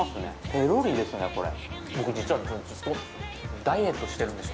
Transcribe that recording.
ペロリですね、これ。